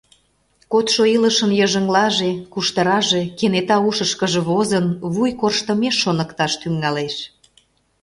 Кодшо илышын йыжыҥлаже, куштыраже, кенета ушышкыжо возын, вуй корштымеш шоныкташ тӱҥалеш.